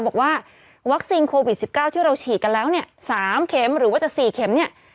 บอกว่าวัคซิงโควิดสิบเก้าที่เราฉีดกันแล้วเนี่ยสามเข็มหรือว่าจะสี่เข็มเนี่ย